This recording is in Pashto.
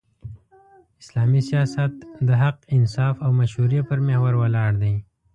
اسلامي سیاست د حق، انصاف او مشورې پر محور ولاړ دی.